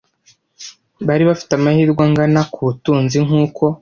bari bafite amahirwe angana kubutunzi nkuko